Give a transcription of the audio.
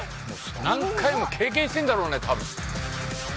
何回も経験してるんだろうねたぶん。